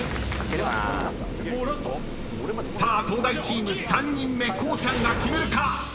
もうラスト⁉［さあ東大チーム３人目こうちゃんが決めるか⁉］